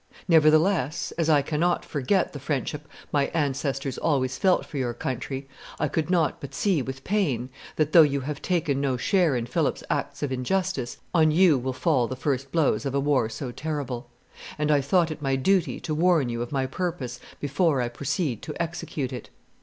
Nevertheless, as I cannot forget the friendship my ancestors always felt for your country, I could not but see with pain that, though you have taken no share in Philip's acts of injustice, on you will fall the first blows of a war so terrible, and I thought it my duty to warn you of my purpose before I proceed to execute it.